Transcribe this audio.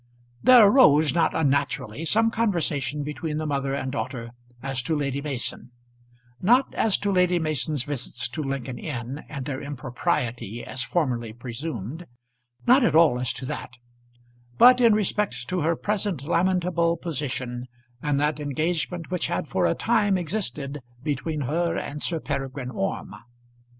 There arose not unnaturally some conversation between the mother and daughter as to Lady Mason; not as to Lady Mason's visits to Lincoln's Inn and their impropriety as formerly presumed; not at all as to that; but in respect to her present lamentable position and that engagement which had for a time existed between her and Sir Peregrine Orme.